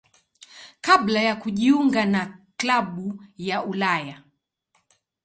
kabla ya kujiunga na klabu ya Ulaya.